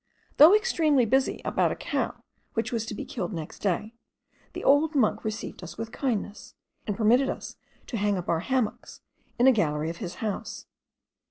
Though extremely busy about a cow which was to be killed next day, the old monk received us with kindness, and permitted us to hang up our hammocks in a gallery of his house.